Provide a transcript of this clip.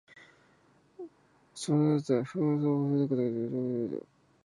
柳宗悦、夫人兼子のごとき声楽家もよくきておりました